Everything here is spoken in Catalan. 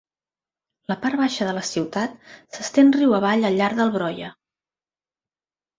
La part baixa de la ciutat s'estén riu avall al llarg del Broye.